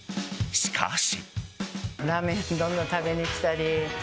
しかし。